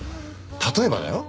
例えばだよ。